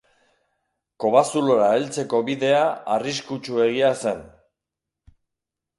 Kobazulora heltzeko bidea arriskutsuegia zen.